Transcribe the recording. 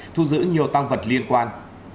thu giữ nhiều tăng vật liên quan